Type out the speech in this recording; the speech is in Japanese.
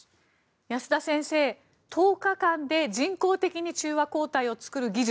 保田先生、１０日間で人工的に中和抗体を作る技術。